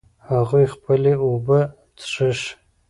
هغوی خپلې اوبه څښي